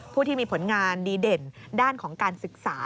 ผู้ที่มีผลงานดีเด่นด้านของการศึกษา